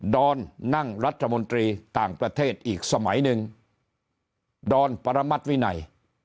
อนนั่งรัฐมนตรีต่างประเทศอีกสมัยหนึ่งดอนปรมัติวินัย